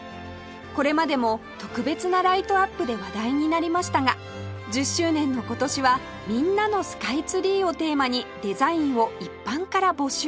これまでも特別なライトアップで話題になりましたが１０周年の今年は「みんなのスカイツリー」をテーマにデザインを一般から募集